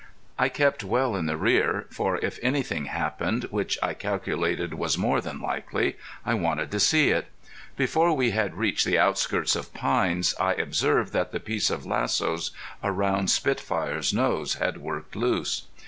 I kept well in the rear, for if anything happened, which I calculated was more than likely, I wanted to see it. Before we had reached the outskirts of pines, I observed that the piece of lasso around Spitfire's nose had worked loose.